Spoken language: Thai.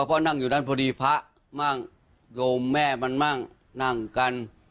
เพราะนั่งอยู่ด้านพอดีพระมั่งโยมแม่มันมั่งนั่งกัน